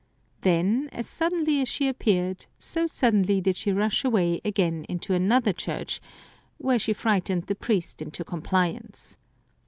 Then, as suddenly as she appeared, so suddenly did she rush away again into another church, where she frightened the priest into compliance.